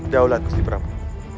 daulatku si prabu